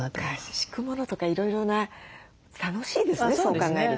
敷くものとかいろいろな楽しいですねそう考えると。